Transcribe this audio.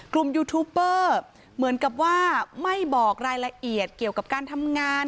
ยูทูปเปอร์เหมือนกับว่าไม่บอกรายละเอียดเกี่ยวกับการทำงาน